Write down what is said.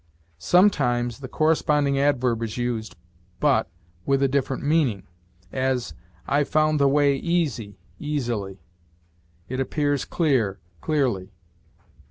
Sometimes the corresponding adverb is used, but with a different meaning; as, 'I found the way easy easily'; 'it appears clear clearly.'